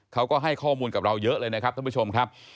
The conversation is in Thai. เขาก็ให้ข้อมูลกับเราเยอะเลยนะครับท่านผู้ชมครับ